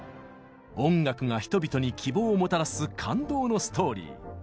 音楽が人々に希望をもたらす感動のストーリー